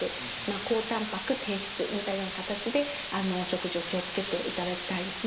高たんぱく低脂質みたいな形でお食事を気を付けていただきたいですね。